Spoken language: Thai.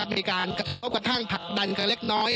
มีการกระทบกระทั่งผลักดันกันเล็กน้อย